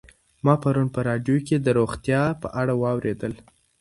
ما پرون په راډیو کې د روغتیا په اړه واورېدل.